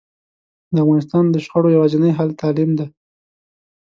د افغانستان د شخړو یواځینی حل تعلیم ده